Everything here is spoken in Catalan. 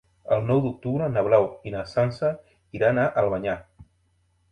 El nou d'octubre na Blau i na Sança iran a Albanyà.